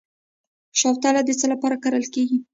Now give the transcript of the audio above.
شوتله د څه لپاره کرل کیږي؟